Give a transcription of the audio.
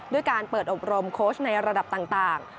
ด้วยการเปิดอบรมโค้ชในระดับต่าง